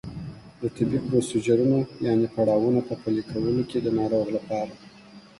د طبي پروسیجرونو یانې پړاوونو په پلي کولو کې د ناروغ لپاره